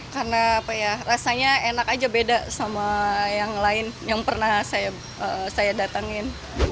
karena apa ya rasanya enak aja beda sama yang lain yang pernah saya datangin